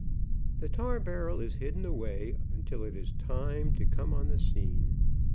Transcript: The tar barrel is hidden away until it is its time to come on the scene.